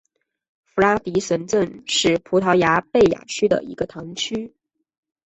弗拉迪什镇是葡萄牙贝雅区的一个堂区。